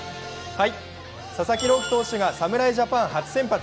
佐々木朗希選手が侍ジャパン初先発。